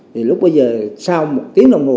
thì lúc bây giờ sau một tiếng đồng hồ